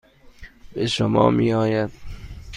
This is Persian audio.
به شما میآید.